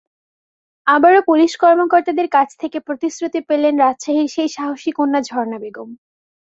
আবারও পুলিশ কর্মকর্তাদের কাছ থেকে প্রতিশ্রুতি পেলেন রাজশাহীর সেই সাহসী কন্যা ঝরনা বেগম।